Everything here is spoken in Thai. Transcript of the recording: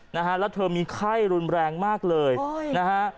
นะฮะแล้วเธอมีไข้รุนแรงมากเลยนะฮะ